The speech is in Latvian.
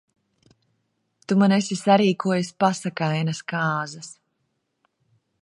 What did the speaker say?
Tu man esi sarīkojis pasakainas kāzas.